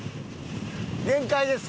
限界です